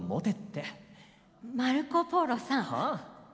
マルコ・ポーロさん。